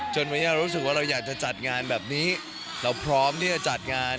วันนี้เรารู้สึกว่าเราอยากจะจัดงานแบบนี้เราพร้อมที่จะจัดงาน